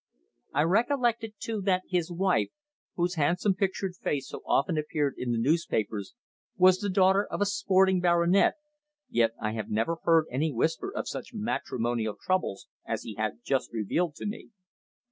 I recollected, too, that his wife whose handsome pictured face so often appeared in the newspapers was the daughter of a sporting baronet, yet I had never heard any whisper of such matrimonial troubles as he had just revealed to me.